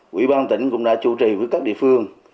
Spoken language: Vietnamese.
quỹ ban tỉnh cũng đã chủ trì với các địa phương